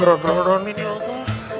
rambut rambut ya allah